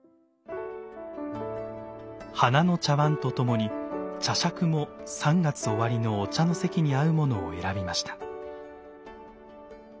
花の茶碗とともに茶杓も３月終わりのお茶の席に合うものを選びました。